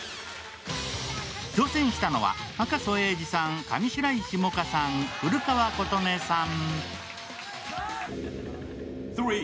挑戦したのは赤楚衛二さん、上白石萌歌さん、古川琴音さん。